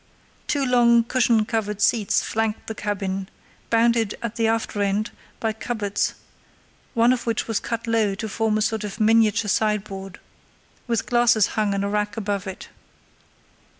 Two long cushion covered seats flanked the cabin, bounded at the after end by cupboards, one of which was cut low to form a sort of miniature sideboard, with glasses hung in a rack above it.